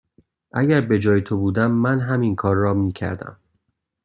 اگر به جای تو بودم، من همین کار را می کردم.